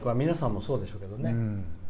皆さんもそうでしょうけど。